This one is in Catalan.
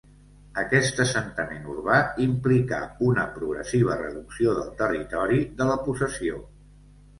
Aquest assentament urbà implicà una progressiva reducció del territori de la possessió.